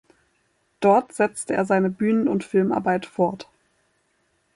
Dort setzte er seine Bühnen- und Filmarbeit fort.